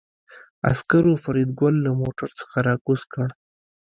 عسکرو فریدګل له موټر څخه راکوز کړ